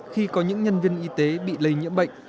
khi có những nhân viên y tế bị lây nhiễm bệnh